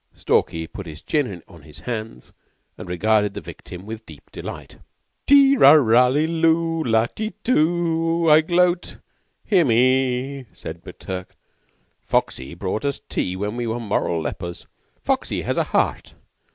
Stalky put his chin on his hands and regarded the victim with deep delight. "Ti ra la la i tu! I gloat! Hear me!" said McTurk. "Foxy brought us tea when we were moral lepers. Foxy has a heart.